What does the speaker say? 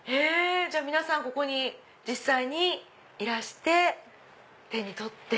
皆さんここに実際にいらして手に取って。